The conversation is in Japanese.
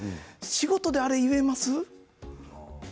仕事であれを言えます？